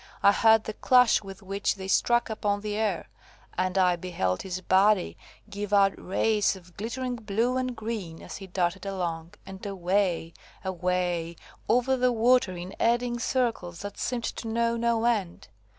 I heard the clash with which they struck upon the air; and I beheld his body give out rays of glittering blue and green as he darted along, and away, away, over the water in eddying circles that seemed to know no end.